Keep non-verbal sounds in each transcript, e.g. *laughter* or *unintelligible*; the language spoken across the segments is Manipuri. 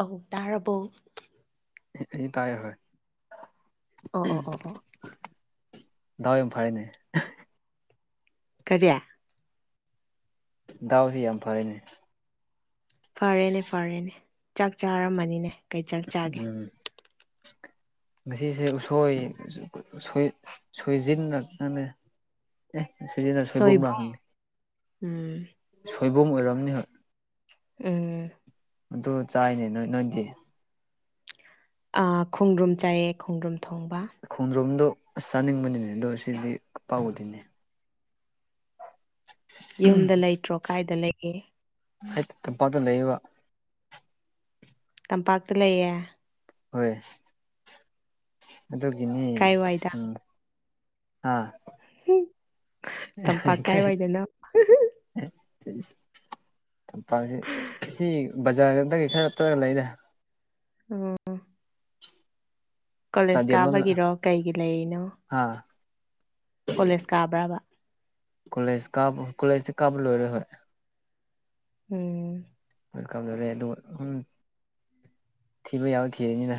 ꯑꯧ ꯇꯥꯔꯕꯣ *unintelligible* ꯇꯥꯢ ꯍꯣꯢ ꯑꯣ ꯑꯣ ꯑꯣ ꯑꯣ ꯗꯥꯎ ꯌꯥꯝ ꯐꯔꯦꯅꯦ ꯀꯔꯤ ꯗꯥꯎꯗꯤ ꯌꯥꯝ ꯐꯔꯅꯦ ꯐꯔꯦꯅꯦ ꯐꯔꯦꯅꯦ ꯆꯥꯛ ꯆꯥꯔꯝꯃꯅꯤꯅꯦ ꯀꯩ ꯆꯥꯛ ꯆꯥꯒꯦ ꯎꯝ *inaudible* ꯉꯁꯤꯁꯦ ꯎꯁꯣꯏ ꯁꯣꯏ ꯁꯣꯏꯖꯤꯟꯂꯛꯇꯅꯅꯦ ꯑꯦ ꯁꯣꯏꯖꯤꯟꯔ ꯁꯣꯏꯕ꯭ꯔꯣ ꯁꯣꯏꯕꯨꯝꯔ ꯈꯪꯗꯦ ꯎꯝ ꯁꯣꯏꯕꯨꯝ ꯑꯣꯏꯔꯝꯅꯤ ꯍ ꯎꯝ ꯑꯗꯣ ꯆꯥꯏꯅꯦ ꯅꯣꯏ ꯅꯣꯏꯗꯤ ꯑꯥ ꯈꯣꯡꯗ꯭ꯔꯨꯝ ꯆꯥꯏꯑꯦ ꯈꯣꯡꯗ꯭ꯔꯨꯝ ꯊꯣꯡꯕ ꯈꯣꯡꯗ꯭ꯔꯨꯝꯗꯣ ꯑꯁ ꯆꯥꯅꯤꯡꯕꯅꯤꯅꯦ ꯑꯗꯣ ꯁꯤꯗꯤ ꯄꯥꯛ ꯎꯗꯦꯅꯦ ꯌꯨꯝꯗ ꯂꯩꯇ꯭ꯔꯣ ꯀꯥꯏꯗ ꯂꯩꯒꯦ ꯍꯦꯛ ꯇꯝꯄꯥꯛꯇ ꯂꯩꯔꯦꯕꯣ ꯇꯝꯄꯥꯛꯇ ꯂꯩꯌꯦ ꯍꯣꯏ ꯑꯗꯨꯒꯤꯅꯤ ꯀꯥꯏꯋꯥꯏꯗ ꯎꯝ ꯑꯥ ꯍꯨꯝ *unintelligible* ꯇꯝꯄꯥꯛꯁꯤ ꯁꯤ ꯕꯖꯥꯔꯗꯒꯤ ꯈꯔ ꯆꯠꯂꯒ ꯂꯩꯗ ꯎꯝ ꯀꯣꯂꯦꯖ ꯀꯥꯕꯒꯤꯔꯣ ꯀꯩꯒꯤ ꯂꯩꯔꯤꯅꯣ ꯍꯥ ꯀꯣꯂꯦꯖ ꯀꯥꯕ꯭ꯔꯥꯕ ꯀꯣꯂꯦꯖ ꯀꯥꯕ ꯀꯣꯂꯦꯖꯇꯤ ꯀꯥꯕ ꯂꯣꯏꯔꯦ ꯍꯣꯏ ꯎꯝ ꯋꯦꯜꯀꯝꯗꯧꯔꯦ ꯑꯗꯨꯒ ꯍꯨꯝ ꯊꯤꯕ ꯌꯥꯕ ꯊꯤꯔꯅꯤꯅ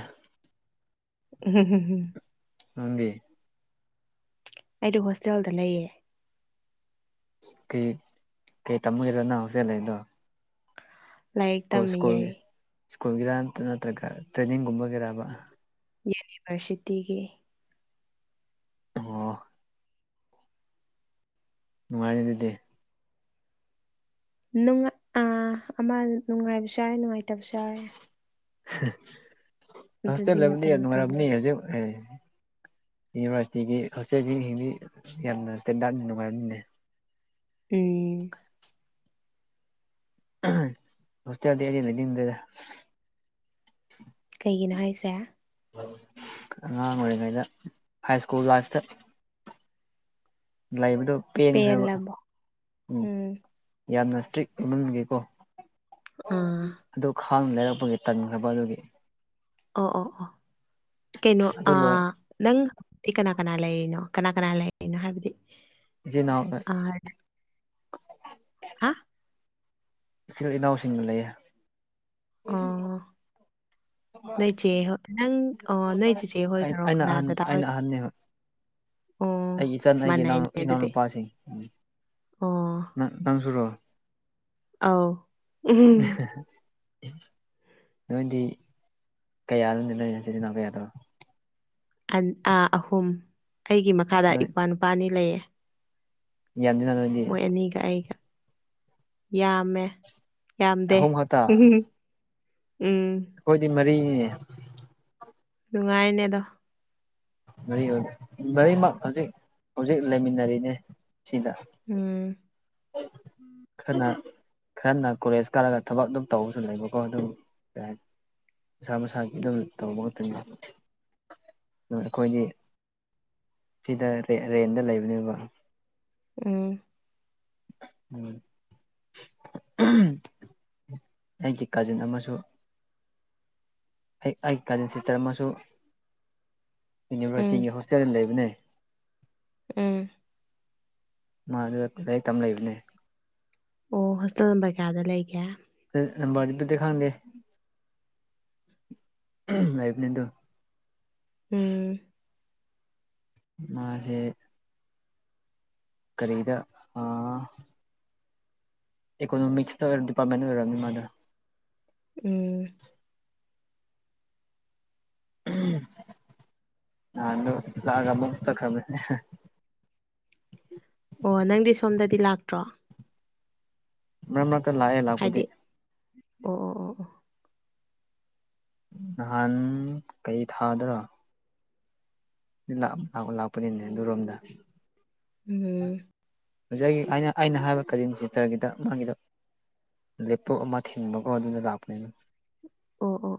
*unintelligible* ꯅꯪꯗꯤ ꯑꯩꯗꯤ ꯍꯣꯁꯇꯦꯜꯗ ꯂꯩꯌꯦ ꯀꯩ ꯀꯩ ꯇꯝꯃꯨꯏꯔ ꯅꯪ ꯍꯣꯁꯇꯦꯜ ꯂꯩꯗꯣ ꯂꯥꯏꯔꯤꯛ ꯀꯣ ꯇꯝꯃꯤꯌꯦ ꯁ꯭ꯀꯨꯜꯒꯤ ꯁ꯭ꯀꯨꯜꯒꯤꯔ ꯅꯠꯇ꯭ꯔꯒ ꯇ꯭ꯔꯦꯅꯤꯡꯒꯨꯝꯕꯒꯤꯔꯕ ꯌꯨꯅꯤꯕꯔꯁꯤꯇꯤꯒꯤ ꯑꯣ ꯅꯨꯡꯉꯥꯏꯔꯦ ꯑꯗꯨꯗꯤ ꯅꯨꯡꯉ ꯑꯥ ꯑꯃ ꯅꯨꯡꯉꯥꯏꯕꯁꯨ ꯌꯥꯎꯋꯦ ꯅꯨꯡꯉꯥꯏꯇꯕꯁꯨ ꯌꯥꯎꯋꯦ ꯍꯦ ꯍꯣꯁꯇꯦꯜ ꯑꯗꯨꯗꯤ ꯃꯇꯝ ꯂꯩꯕꯅꯤꯅ ꯅꯨꯡꯉꯥꯏꯔꯝꯅꯤ ꯃꯇꯝꯒꯤ ꯍꯧꯖꯤꯛ ꯑꯦ ꯌꯨꯅꯤꯚꯥꯔꯁꯤꯇꯤꯒꯤ ꯍꯣꯁꯇꯦꯜꯁꯤꯡꯗꯤ ꯌꯥꯝꯅ ꯁ꯭ꯇꯦꯟꯗꯥꯔꯠꯅꯤ ꯅꯨꯡꯉꯥꯏꯔꯝꯅꯤꯅꯦ ꯎꯝ ꯍꯣꯁꯇꯦꯜꯗꯤ ꯑꯩꯗꯤ ꯂꯩꯅꯤꯡꯗꯦꯗ ꯀꯩꯒꯤꯅꯣ ꯍꯥꯏꯁꯦ ꯑꯉꯥꯡ ꯑꯣꯏꯔꯤꯉꯩꯗ ꯍꯥꯏ ꯁ꯭ꯀꯨꯜ ꯂꯥꯏꯐꯇ ꯂꯩꯕꯗꯣ ꯄꯦꯟꯈ꯭ꯔꯕ ꯄꯦꯜꯂꯕꯣ ꯎꯝ ꯌꯥꯝꯅ ꯏꯁꯇ꯭ꯔꯤꯛ ꯑꯣꯏꯃꯟꯕꯒꯤꯀꯣ ꯑꯥ ꯑꯗꯨ ꯈꯥꯡꯅ ꯂꯩꯔꯛꯄꯒꯤ ꯇꯟꯈ꯭ꯔꯕ ꯑꯗꯨꯒꯤ ꯑꯣ ꯑꯣ ꯑꯣ ꯀꯩꯅꯣ ꯑꯗꯨ ꯂꯣꯏ ꯑꯥ ꯅꯪ ꯇꯤ ꯀꯅꯥ ꯀꯅꯥ ꯂꯩꯔꯤꯅꯣ ꯀꯅꯥ ꯀꯅꯥ ꯂꯩꯔꯤꯅꯣ ꯍꯥꯏꯕꯗꯤ ꯏꯆꯦ ꯅꯥꯎꯅ ꯑꯍꯟ ꯑꯥ ꯏꯆꯤꯜ ꯏꯅꯥꯎꯁꯤꯡꯒ ꯂꯩꯌꯦ ꯑꯣ ꯅꯣꯏꯆꯦ ꯍꯣ ꯅꯪ ꯑꯣ ꯅꯣꯏ ꯆꯤꯆꯦ ꯑꯩ ꯍꯣꯏꯒꯔꯣ ꯑꯩꯅ ꯀꯅꯥ ꯑꯍꯟ ꯗꯥꯗꯥ ꯍꯣꯏ ꯑꯩꯅ ꯑꯍꯟꯅꯦꯕ ꯑꯣ ꯑꯩꯒꯤ ꯏꯆꯟ ꯍꯣꯏꯒꯤ ꯏꯅꯥꯎ ꯃꯥꯟꯅꯩꯅꯦ ꯑꯗꯨꯗꯤ ꯏꯅꯥꯎꯅꯨꯄꯥꯁꯤꯡ ꯎꯝ ꯑꯣ ꯅꯪ ꯅꯪꯁꯨꯨꯔꯣ ꯑꯧ ꯎꯝ *unintelligible* ꯅꯣꯏꯗꯤ ꯀꯌꯥꯅꯣꯗꯤ ꯅꯣꯏ ꯅꯆꯤꯟ ꯅꯅꯥꯎ ꯀꯌꯥꯅꯣ ꯑꯟ ꯑꯥ ꯑꯍꯨꯝ ꯑꯩꯒꯤ ꯃꯈꯥꯗ ꯅꯣꯏ ꯏꯄ꯭ꯋꯥ ꯅꯨꯄꯥ ꯑꯅꯤ ꯂꯩꯌꯦ ꯌꯥꯝꯗꯦꯅ ꯑꯗꯨꯗꯤ ꯃꯣꯏ ꯑꯅꯤꯒ ꯑꯩꯒ ꯌꯥꯝꯃꯦ ꯌꯥꯝꯗꯦ ꯑꯍꯨꯝ ꯈꯛꯇ ꯎꯝ ꯑꯩꯈꯣꯏꯗꯤ ꯃꯔꯤꯅꯤꯅꯦ ꯅꯨꯡꯉꯥꯏꯕꯅꯦ ꯑꯗꯣ ꯃꯔꯤ ꯑꯣꯏꯕ ꯃꯔꯤꯃꯛ ꯍꯧꯖꯤꯛ ꯍꯧꯖꯤꯛ ꯂꯩꯃꯤꯟꯅꯔꯤꯅꯦ ꯁꯤꯗ ꯎꯝ ꯈꯔꯅ *inaudible* ꯈꯔꯅ ꯀꯣꯂꯦꯖ ꯀꯥꯔꯂꯒ ꯊꯕꯛ ꯑꯗꯨꯝ ꯇꯧꯕꯁꯨ ꯂꯩꯕꯀꯣ ꯑꯗꯨ ꯃꯁꯥ ꯃꯁꯥꯒꯤ ꯑꯗꯨꯝ ꯇꯧꯕ ꯈꯛꯇꯅꯤꯗ ꯑꯩꯈꯣꯏꯗꯤ ꯁꯤꯗ ꯔꯦꯟꯗ ꯂꯩꯕꯅꯦꯅꯀꯣ ꯎꯝ ꯎꯝ ꯑꯩꯒꯤ ꯀꯥꯖꯤꯟ ꯑꯃꯁꯨ ꯑꯩ ꯑꯩ ꯀꯖꯤꯟ ꯁꯤꯁꯇꯔ ꯑꯃꯁꯨ ꯎꯝ ꯌꯨꯅꯤꯚꯔꯁꯤꯇꯤꯒꯤ ꯍꯣꯁꯇꯦꯜꯗ ꯂꯩꯕꯅꯦ ꯎꯝ ꯃꯥꯗꯨ ꯂꯥꯏꯔꯤꯛ ꯇꯝꯃꯒ ꯂꯩꯕꯅꯦ ꯑꯣ ꯍꯣꯁꯇꯦꯜ ꯅꯝꯕꯔ ꯀꯌꯥꯗ ꯂꯩꯒꯦ ꯑꯗꯨ ꯅꯝꯕꯔꯗꯤꯕꯨꯗꯤ ꯈꯪꯗꯦ ꯂꯩꯕꯅꯤ ꯑꯗꯨꯝ ꯎꯝ ꯃꯥꯁꯦ ꯀꯔꯤꯗ ꯑ ꯏꯀꯣꯅꯣꯃꯤꯛꯁꯇ ꯗꯤꯄꯥꯔꯃꯦꯟ ꯑꯣꯏꯔꯝꯅꯤ ꯃꯥꯗꯣ ꯎꯝ ꯎꯝ ꯅꯍꯥꯟꯗꯨ ꯂꯥꯛꯑꯒ ꯑꯃꯨꯛ ꯆꯠꯈ꯭ꯔꯕꯅꯦ ꯑꯣ ꯅꯪꯗꯤ ꯁꯣꯝꯗꯗꯤ ꯂꯥꯛꯇ꯭ꯔꯣ ꯃꯔꯛ ꯃꯔꯛꯇ ꯂꯥꯛꯑꯦ ꯂꯥꯛꯄꯗꯤ ꯍꯥꯏꯗꯤ ꯑꯣ ꯑꯣ ꯑꯣ ꯑꯣ ꯅꯍꯥꯟ ꯀꯩ ꯊꯥꯗꯔꯥ ꯂꯥꯛ ꯂꯥꯛꯄꯅꯤꯅꯦ ꯑꯗꯨꯔꯣꯝꯗ ꯎꯝ ꯍꯧꯖꯤꯛ ꯑꯩꯅ ꯑꯩꯅ ꯍꯥꯏꯕ ꯀꯖꯤꯟ ꯆꯤꯁꯇ꯭ꯔꯒꯤꯗꯣ ꯃꯥꯒꯤꯗꯣ ꯂꯦꯞꯇꯣꯞ ꯑꯃ ꯊꯤꯟꯕꯀꯣ ꯑꯗꯨꯅ ꯂꯥꯛꯄꯅꯦꯕ ꯑꯣ ꯑꯣ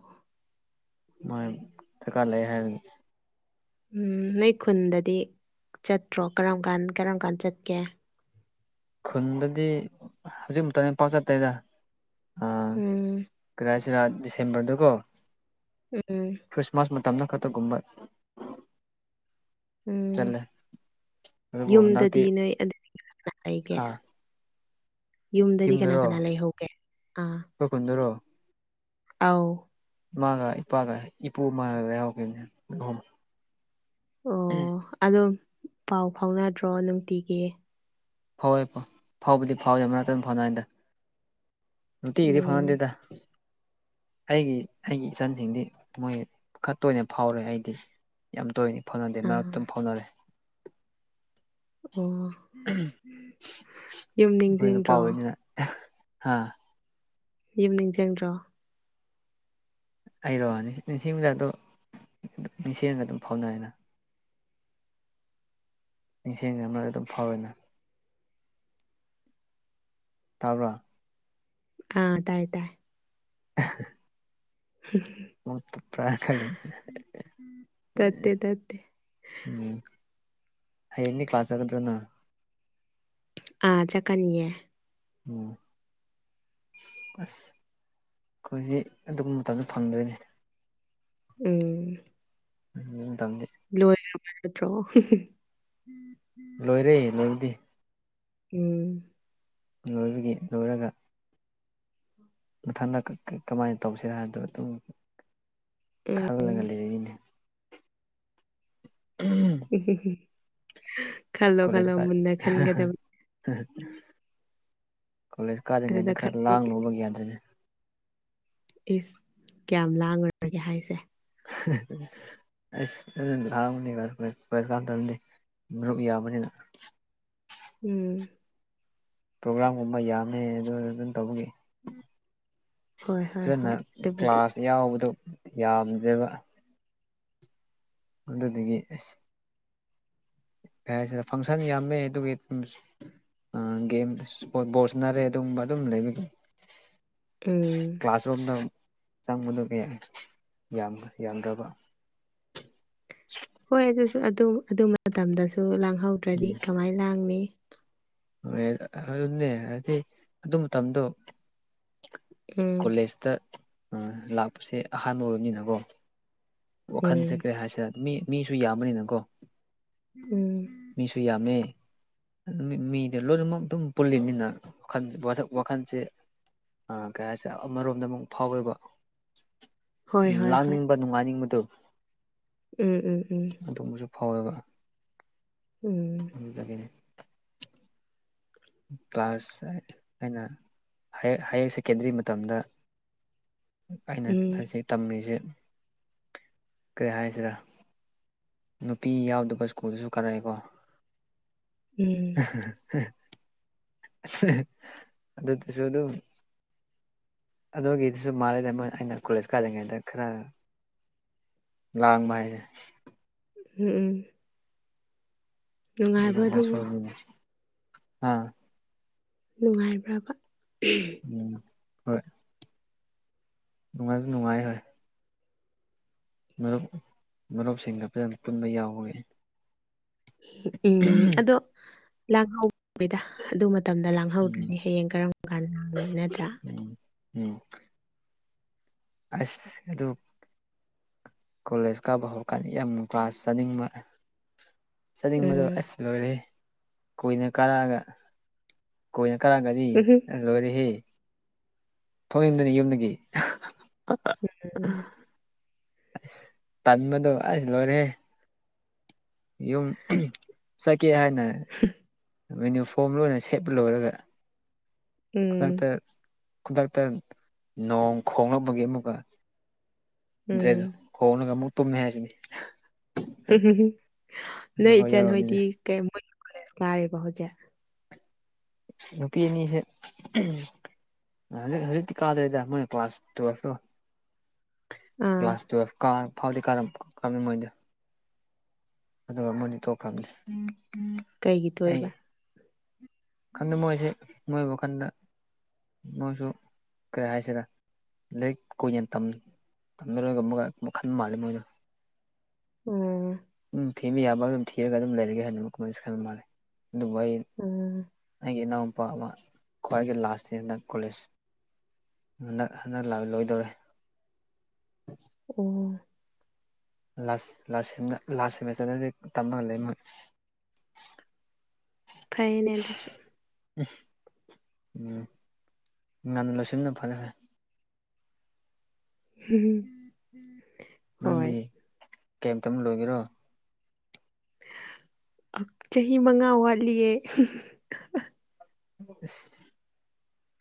ꯃꯣꯏ ꯗꯔꯀꯥꯔ ꯂꯩ ꯍꯥꯏꯔꯅꯤ ꯎꯝ ꯅꯣꯏ ꯈꯨꯟꯗꯗꯤ ꯆꯠꯇ꯭ꯔꯣ ꯀꯔꯝ ꯀꯥꯟ ꯀꯔꯝ ꯀꯥꯟ ꯆꯠꯀꯦ ꯈꯨꯟꯗꯗꯤ ꯍꯧꯖꯤꯛ ꯃꯇ ꯝꯗꯤ ꯄꯥꯛ ꯆꯠꯇꯦꯗ ꯑꯥ ꯎꯝ ꯀꯔꯤ ꯍꯥꯏꯁꯤꯔꯥ ꯗꯤꯁꯦꯝꯕꯔꯗꯀꯣ ꯎꯝ ꯈ꯭ꯔꯤꯁꯃꯥꯁ ꯃꯇꯝꯗ ꯈꯛꯇꯒꯨꯝꯕ ꯎꯝ ꯆꯠꯂꯦ ꯑꯗꯨꯕꯨ ꯍꯟꯗꯛꯇꯤ ꯌꯨꯝꯗꯗꯤ ꯅꯣꯏ ꯑꯗꯨ ꯀꯅ ꯂꯩꯒꯦ ꯍꯥ ꯌꯨꯝꯗꯗꯤ ꯀꯅꯥ ꯌꯨꯝꯗꯔꯣ ꯀꯅꯥ ꯂꯩꯍꯧꯒꯦ ꯑꯥ ꯑꯩꯈꯣꯏ ꯈꯨꯟꯗꯔꯣ ꯑꯥꯎ ꯏꯃꯥꯒ ꯏꯄꯥꯒ ꯏꯄꯨ ꯃꯥꯟꯅꯕ ꯌꯥꯎꯈꯤꯕꯅꯦ ꯃꯣꯏꯍꯨꯝ ꯑꯣ ꯑꯗꯨꯝ ꯄꯥꯎ ꯐꯥꯎꯅꯗ꯭ꯔꯣ ꯅꯨꯡꯇꯤꯒꯤ ꯐꯥꯎꯋꯦ ꯐꯥꯎꯕꯨꯗꯤ ꯐꯥꯎꯋꯦ ꯃꯔꯛꯇ ꯑꯗꯨꯝ ꯐꯥꯎꯅꯩꯗ ꯅꯨꯡꯇꯤꯒꯤꯗꯤ ꯎꯝ ꯐꯥꯎꯅꯗꯦꯗ ꯑꯩꯒꯤ ꯑꯩꯒꯤ ꯏꯆꯟꯁꯤꯡꯗꯤ ꯃꯣꯏ ꯈꯔ ꯇꯣꯏꯅ ꯐꯥꯎꯔꯦ ꯑꯩꯗꯤ ꯌꯥꯝ ꯇꯣꯏꯅꯗꯤ ꯐꯥꯎꯅꯗꯦ ꯑꯥ ꯃꯔꯛꯇ ꯗꯨꯝ ꯐꯥꯎꯅꯔꯦ ꯑꯣ ꯎꯝ ꯌꯨꯝ ꯑꯩꯈꯣꯏ ꯅꯨꯄꯥ ꯅꯤꯡꯁꯤꯡꯗ꯭ꯔꯣ ꯑꯣꯏꯕꯅꯤꯅ ꯍꯥ ꯌꯨꯝ ꯅꯤꯡꯖꯡꯗ꯭ꯔꯣ ꯑꯩꯔꯣ ꯅꯤꯡꯁꯤꯡꯂꯦ ꯑꯗꯣ ꯅꯤꯡꯁꯤꯡꯔꯒ ꯑꯗꯨꯝ ꯐꯥꯎꯅꯔꯦꯅ ꯅꯤꯡꯁꯤꯡ ꯂꯩꯔꯝ ꯑꯗꯨꯝ ꯐꯥꯎꯋꯦꯅ ꯇꯥꯕ꯭ꯔꯥ ꯑꯥ ꯇꯥꯏ ꯇꯥꯏ *inaudible* ꯍꯨꯝ ꯃꯨꯛ ꯄ꯭ꯔꯥ ꯈꯜꯂꯦ ꯇꯠꯇꯦ ꯇꯠꯇꯦ ꯎꯝ ꯍꯌꯦꯡꯗꯤ ꯀ꯭ꯂꯥꯁ ꯆꯠꯀꯗ꯭ꯔ ꯅꯪ ꯑꯥ ꯆꯠꯀꯅꯤꯌꯦ ꯑꯣ ꯑꯁ ꯑꯩꯈꯣꯏꯗꯤ ꯑꯗꯨꯝ ꯃꯇꯝꯗꯣ ꯐꯪꯗ꯭ꯔꯦꯅꯦ ꯎꯝ ꯍꯧꯖꯤꯛ ꯃꯇꯝꯗꯤ ꯂꯣꯏꯈ꯭ꯔꯕ ꯅꯠꯇ꯭ꯔꯣ *inaudible* ꯂꯣꯏꯔꯦ ꯂꯣꯏꯕꯗꯤ ꯎꯝ ꯂꯣꯏꯕꯒꯤ ꯂꯣꯏꯔꯒ ꯃꯊꯟꯗ ꯀꯃꯥꯏꯅ ꯇꯧꯁꯤꯔ ꯍꯥꯏꯕꯗꯣ ꯑꯗꯨꯝ ꯈꯜꯂꯒ ꯂꯩꯔꯛꯏꯅꯦ ꯎꯝ *unintelligible* ꯈꯜꯂꯣ ꯈꯜꯂꯣ ꯃꯨꯟꯅ ꯈꯟꯒꯗꯕꯅꯤ ꯍꯦ ꯍꯦꯛ ꯀꯣꯂꯦꯖ ꯑꯗꯨꯗ ꯀꯥꯗ꯭ꯔꯤꯉꯩꯗ ꯈꯔ ꯈꯜꯂꯣ ꯂꯥꯡꯂꯨꯕ ꯒ꯭ꯌꯥꯟ ꯇꯥꯗꯦ ꯏꯁ ꯀꯌꯥꯝ ꯂꯥꯡꯉꯨꯔꯒꯦ ꯍꯥꯏꯁꯦ *unintelligible* ꯑꯁ ꯈꯔ ꯂꯥꯡꯕꯅꯦꯕ ꯑꯈꯣꯏ ꯀꯣꯂꯦꯁ ꯀꯥ ꯇꯝꯗꯤ ꯃꯔꯨꯞ ꯌꯥꯕꯅꯤꯅ ꯎꯝ ꯄ꯭ꯔꯣꯒ꯭ꯔꯥꯝꯒꯨꯝꯕ ꯌꯥꯝꯃꯦ ꯑꯗꯨꯅ ꯑꯗꯨꯝ ꯇꯧꯕꯒꯤ *inaudible* ꯍꯣꯏ ꯍꯣꯏ ꯐꯖꯅ ꯍꯣꯏ ꯑꯗꯨꯕꯨꯗꯤ ꯀ꯭ꯂꯥꯁ ꯌꯥꯎꯕꯗꯨ ꯌꯥꯝꯗ꯭ꯔꯦꯕ ꯑꯗꯨꯗꯨꯒꯤ ꯑꯩꯁ ꯀꯩ ꯍꯥꯏꯁꯤꯔ ꯐꯪꯁꯟ ꯌꯥꯝꯃꯦ ꯑꯗꯨꯒꯤ ꯑꯗꯨꯝ ꯁꯨꯝ ꯑ ꯒꯦꯝ ꯏꯁ꯭ꯄꯣꯠ ꯕꯣꯜ ꯁꯥꯟꯅꯔꯦ ꯑꯗꯨꯝ ꯑꯗꯨꯝ ꯂꯩꯕꯒꯤ ꯎꯝ ꯀ꯭ꯂꯥꯁꯔꯨꯝꯗ ꯆꯪꯕꯗꯨꯒꯤ ꯌꯥꯝ ꯌꯥꯝꯗꯕ ꯍꯣꯏ ꯑꯗꯨꯁꯨ ꯑꯗꯨꯝ ꯑꯗꯨ ꯃꯇꯝꯗꯁꯨ ꯂꯥꯡꯍꯧꯗ꯭ꯔꯗꯤ ꯀꯃꯥꯏ ꯂꯥꯡꯅꯤ ꯍꯣꯔꯦꯜ ꯑꯗꯨꯅꯦ ꯍꯥꯏꯗꯤ ꯑꯗꯨ ꯃꯇꯝꯗꯣ ꯎꯝ ꯀꯣꯂꯦꯖꯇ ꯑꯥ ꯂꯥꯛꯄꯁꯦ ꯑꯍꯥꯟꯕ ꯑꯣꯏꯕꯅꯤꯅꯀꯣ ꯎꯝ ꯋꯥꯈꯜꯁꯦ ꯀꯩ ꯍꯥꯏꯁꯤꯔꯀꯣ ꯃꯤ ꯃꯤꯁꯨ ꯌꯥꯝꯕꯅꯤꯅꯀꯣ ꯎꯝ ꯃꯤꯁꯨ ꯌꯥꯝꯃꯦ ꯑꯗꯨꯝ ꯃꯤ ꯑꯦ ꯂꯣꯏꯅꯃꯛ ꯑꯗꯨꯝ ꯄꯨꯜꯂꯤꯃꯤꯅ ꯋꯥꯈꯟ ꯋꯥꯈꯜꯁꯦ ꯑꯥ ꯀꯩ ꯍꯥꯏꯁꯤꯔꯥ ꯑꯃꯔꯣꯝꯗ ꯑꯃꯨꯛ ꯐꯥꯎꯋꯦꯕ ꯍꯣꯏ ꯎꯝ ꯍꯣꯏ ꯍꯣꯏ ꯂꯥꯡꯅꯤꯡꯕ ꯅꯨꯡꯉꯥꯏꯅꯤꯡꯕꯗꯨ ꯎꯝ ꯎꯝ ꯎꯝ ꯑꯗꯨꯝꯕꯁꯨ ꯐꯥꯎꯋꯦꯕ ꯎꯝ *unintelligible* ꯀ꯭ꯂꯥꯁ ꯑꯩꯅ ꯍꯥꯌꯔ ꯍꯥꯏꯌꯔ ꯁꯦꯀꯦꯟꯗ꯭ꯔꯤ ꯃꯇꯝꯗ ꯑꯩꯅ ꯎꯝ ꯍꯧꯖꯤꯛ ꯇꯝꯃꯤꯁꯤ ꯀꯩ ꯍꯥꯏꯔꯤꯁꯤꯔ ꯅꯨꯄꯤ ꯌꯥꯎꯗꯕ ꯁ꯭ꯀꯨꯜꯗꯁꯨ ꯀꯥꯔꯛꯑꯦꯀꯣ ꯎꯝ *unintelligible* ꯑꯗꯨꯗꯁꯨ ꯑꯗꯨꯝ ꯑꯗꯨꯒꯤꯗꯨꯁꯨ ꯃꯥꯜꯂꯤꯅꯦ ꯃꯣꯏ ꯑꯩꯅ ꯀꯣꯂꯦꯖ ꯀꯥꯗ꯭ꯔꯤꯉꯩꯗ ꯈꯔ ꯂꯥꯡꯕ ꯍꯥꯏꯁꯦ ꯎꯝ ꯎꯝ ꯅꯨꯡꯉꯥꯏꯕ꯭ꯔꯣ ꯑꯗꯨꯕꯣ ꯑꯥ ꯅꯨꯡꯉꯥꯏꯕ꯭ꯔꯕ ꯎꯝ ꯍꯣꯏ ꯅꯨꯡꯉꯥꯏꯁꯨ ꯅꯨꯡꯉꯥꯏ ꯍꯣꯏ ꯃꯔꯨꯞ ꯃꯔꯨꯞꯁꯤꯡꯒ ꯐꯖꯅ ꯄꯨꯟꯕ ꯌꯥꯎꯋꯦ ꯎꯝ ꯎꯝ ꯑꯗꯣ ꯂꯥꯡꯍꯧꯕꯦꯗ ꯑꯗꯨ ꯃꯇꯝꯗ ꯎꯝ ꯂꯥꯡꯍꯧꯗ꯭ꯔꯗꯤ ꯍꯌꯦꯡ ꯀꯔꯝ ꯀꯥꯟ ꯂꯥꯡꯅꯤ ꯅꯠꯇ꯭ꯔꯥ ꯎꯝ ꯎꯝ ꯑꯁ ꯑꯗꯨ ꯀꯣꯂꯦꯖ ꯀꯥꯕ ꯍꯧꯔꯀꯥꯟꯗ ꯌꯥꯝ ꯀ꯭ꯂꯥꯁ ꯆꯥꯅꯤꯡꯕ ꯆꯥꯅꯤꯡꯕꯗꯣ ꯎꯝ ꯑꯁ ꯂꯣꯏꯔꯦ ꯀꯨꯏꯅ ꯀꯥꯔꯛꯑꯒ ꯀꯣꯏꯅ ꯀꯥꯔꯛꯑꯒꯗꯤ ꯎꯝ ꯂꯣꯏꯔꯦꯍꯦ ꯊꯣꯡꯅꯤꯡꯃꯗꯅꯤ ꯌꯨꯝꯗꯒꯤ ꯎꯝ ꯎꯝ ꯇꯟꯕꯗꯨ ꯑꯁ ꯂꯣꯏꯔꯦꯍꯦ ꯌꯨꯝ ꯆꯠꯀꯦ ꯍꯥꯏꯅ ꯌꯨꯅꯤꯐꯣꯝ ꯂꯣꯏꯅ ꯁꯦꯠꯄ ꯂꯣꯏꯔꯒ ꯈꯨꯗꯛꯇ ꯎꯝ ꯈꯨꯗꯛꯇ ꯅꯣꯡ ꯈꯣꯡꯂꯛꯄꯒꯤ ꯑꯃꯨꯛꯀ ꯗ꯭ꯔꯦꯁ ꯎꯝ ꯍꯣꯡꯂꯒ ꯑꯃꯨꯛ ꯇꯨꯝꯃꯤ ꯍꯥꯏꯁꯤꯅꯤ ꯎ ꯅꯣꯏ ꯑꯗꯨꯐꯥꯎ ꯏꯆꯟ ꯌꯥꯎꯔꯕꯅꯤꯅ ꯍꯣꯏꯗꯤ ꯀ ꯃꯣꯏ ꯀꯣꯂꯦꯖ ꯀꯥꯔꯤꯕꯣ ꯍꯧꯖꯤꯛ ꯅꯨꯄꯤ ꯑꯅꯤꯁꯦ ꯍꯩꯖꯤꯛ ꯍꯧꯖꯤꯛꯇꯤ ꯀꯥꯗꯦꯗ ꯃꯣꯏ ꯀ꯭ꯂꯥꯁ ꯇꯨꯋꯦꯜꯐꯇꯣ ꯑꯥ ꯀ꯭ꯂꯥꯁ ꯇꯨꯋꯦꯜꯐ ꯀꯥ ꯐꯥꯎꯗꯤ ꯀꯥꯔꯝꯈꯔꯝꯅꯤ ꯃꯣꯏꯗꯣ ꯑꯗꯨꯒ ꯃꯣꯏꯗꯤ ꯇꯣꯛꯈ꯭ꯔꯝꯅꯤ ꯀꯩꯒꯤ ꯇꯣꯛꯏꯕ ꯈꯟꯗꯦ ꯃꯣꯏꯁꯤ ꯃꯣꯏ ꯋꯥꯈꯟꯗ ꯃꯣꯏꯁꯨ ꯀꯩ ꯍꯥꯏꯁꯤꯔ ꯂꯥꯏꯔꯤꯛ ꯀꯨꯏꯅ ꯇꯝꯅꯔꯣꯏꯒ ꯃꯈꯟ ꯃꯥꯜꯂꯦ ꯃꯣꯏꯗꯨ ꯎꯝ ꯎꯝ ꯊꯦꯝꯕ ꯌꯥꯕ ꯑꯗꯨꯝ ꯊꯤꯔꯒ ꯑꯗꯨꯝ ꯂꯩꯔꯒꯦ ꯍꯥꯏꯕꯤꯕ ꯀꯣꯏꯁꯟ ꯃꯥꯜꯂꯦ ꯑꯗꯨꯕꯨ ꯑꯩ ꯎꯝ ꯑꯩꯒꯤ ꯏꯅꯥꯎꯅꯨꯄꯥ ꯑꯃ ꯈ꯭ꯋꯥꯏꯒꯤ ꯂꯥꯁꯇ ꯍꯟꯗ ꯀꯣꯂꯦꯖ ꯍꯟꯗꯛ ꯍꯟꯗꯛ ꯂꯥꯛꯂꯣꯏꯗꯧꯔꯦ ꯑꯣ ꯂꯥꯁ ꯂꯥꯁ ꯁꯦꯝꯗ ꯂꯥꯁ ꯁꯦꯃꯤꯁꯇꯔꯗ ꯗꯤ ꯇꯝꯃ ꯂꯩ ꯃꯣꯏ ꯐꯩꯌꯦꯅꯦ ꯑꯗꯨꯁꯨ ꯏꯁ ꯎꯝ ꯉꯟꯅ ꯂꯣꯏꯁꯤꯟꯕꯅ ꯐꯔꯦ ꯍꯣꯏ ꯎꯝ ꯅꯪꯗꯤ ꯀꯩ ꯃꯇꯝꯗ ꯂꯣꯏꯒꯦꯔꯣ ꯑꯥ ꯆꯍꯤ ꯃꯉꯥ ꯋꯥꯠꯂꯤꯌꯦ ꯏꯁ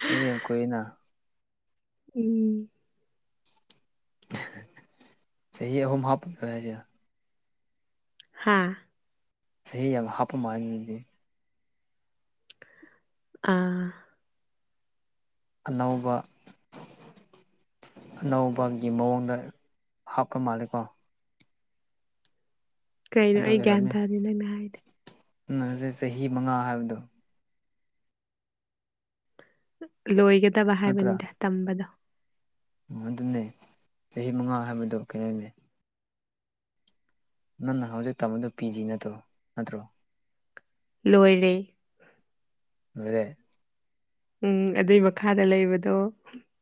ꯑꯗꯨꯗꯤ ꯌꯥꯝ ꯀꯨꯏꯅ ꯎꯝ ꯆꯍꯤ ꯑꯍꯨꯝ ꯍꯥꯄ *unintelligible* ꯍꯥꯥ ꯆꯍꯤ ꯌꯥꯝ ꯍꯥꯞꯄ ꯃꯥꯥꯜꯂꯦ ꯑꯗꯨꯗꯤ ꯑꯥ ꯑꯅꯧꯕ ꯑꯅꯧꯕꯒꯤ ꯃꯑꯣꯡꯗ ꯍꯥꯞꯄ ꯃꯥꯜꯂꯦꯀꯣ ꯀꯩꯅꯣ ꯑꯩ ꯒ꯭ꯌꯥꯟ ꯇꯥꯗꯦ ꯅꯪꯅ ꯍꯥꯏꯗꯣ ꯅꯪꯅ ꯍꯧꯖꯤꯛ ꯆꯍꯤ ꯃꯉꯥ ꯍꯥꯏꯕꯗꯣ ꯂꯣꯏꯒꯗꯕ ꯍꯥꯏꯕꯅꯤꯗ ꯇꯝꯕꯗꯣ ꯑꯣ ꯑꯗꯨꯅꯦ ꯆꯍꯤ ꯃꯉꯥ ꯍꯥꯏꯕꯗꯣ ꯀꯩ ꯍꯥꯏꯅꯤ ꯅꯪꯅ ꯍꯧꯖꯤꯛ ꯇꯝꯕꯗꯣ ꯄꯤ ꯖꯤ ꯅꯠꯇ꯭ꯔꯣ ꯅꯠꯇ꯭ꯔꯣ ꯂꯣꯏꯔꯦ ꯂꯣꯏꯔꯦ ꯎꯝ ꯑꯗꯨꯏ ꯃꯈꯥꯗ ꯂꯩꯕꯗꯣ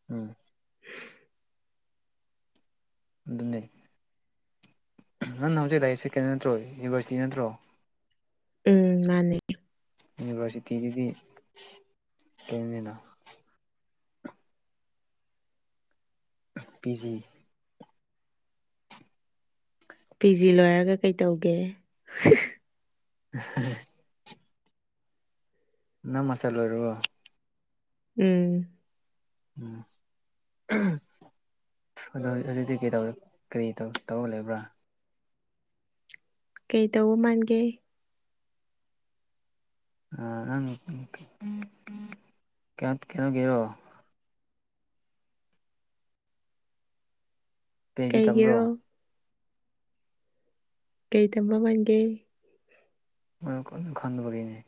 ꯎꯝ ꯑꯗꯨꯅꯦ ꯅꯪ ꯍꯧꯖꯤꯛ ꯂꯩꯁꯦ ꯁꯦꯀꯦꯟ ꯅꯠꯇ꯭ꯔꯣ ꯌꯨꯅꯤꯚꯔꯁꯤꯇꯤ ꯅꯠꯇ꯭ꯔꯣ ꯎꯝ ꯃꯥꯅꯦ ꯌꯨꯅꯤꯚꯔꯁꯤꯇꯤꯒꯤꯗꯤ ꯀꯩꯅꯤꯅ ꯄꯤ ꯖꯤ ꯄꯤ ꯖꯤ ꯂꯣꯏꯔꯒ ꯀꯩ ꯇꯧꯒꯦ *unintelligible* ꯅꯪ ꯃꯁꯥꯇꯔ ꯂꯣꯏꯔꯕꯣ ꯎꯝ ꯎꯝ *unintelligible* ꯑꯗꯣ ꯍꯧꯖꯤꯛ ꯍꯧꯖꯤꯛꯇꯤ ꯀꯩꯗꯧ ꯀꯔꯤ ꯇꯧ ꯇꯧꯔ ꯂꯩꯕ꯭ꯔꯥ ꯀꯩ ꯇꯧꯕ ꯃꯥꯟꯒꯦ ꯑꯥ ꯅꯪ ꯀꯩ ꯀꯩꯅꯣꯒꯤꯔꯣ ꯄꯤꯍꯥꯁꯗꯤ ꯇꯝꯕ꯭ꯔꯣ ꯀꯩꯒꯤꯔꯣ ꯀꯩ ꯇꯝꯕ ꯃꯥꯟꯒꯦ *unintelligible* ꯈꯪꯗꯕꯒꯤꯅꯦ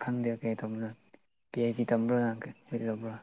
ꯈꯪꯗꯦ ꯀꯩ ꯇꯧꯕꯅꯣ ꯄꯤ ꯑꯩꯆ ꯗꯤ ꯇꯝꯕ꯭ꯔꯣ ꯅ ꯀꯩ ꯇꯧꯕ꯭ꯔꯣ